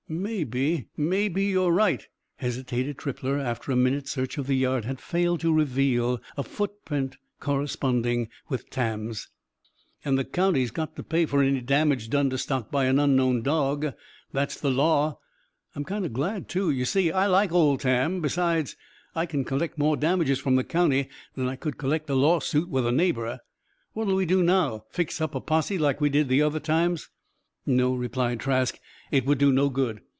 "Maybe maybe you're right," hesitated Trippler, after a minute search of the yard had failed to reveal a footprint corresponding with Tam's. "And the county's got to pay for 'any damage done to stock by an unknown dog.' That's the law. I'm kind of glad, too. You see, I like old Tam. Besides, I c'n c'llect more damages from the county than I c'd c'llect from a lawsoot with a neighbour. What'll we do now? Fix up a posse; like we did, the other times?" "No," replied Trask. "It would do no good.